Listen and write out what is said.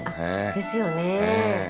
ですよね。